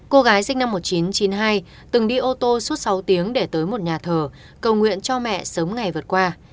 cô gái sinh năm một nghìn chín trăm chín mươi hai từng đi ô tô suốt sáu tiếng để tới một nhà thờ cầu nguyện cho mẹ sớm ngày vượt qua